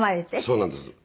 そうなんです。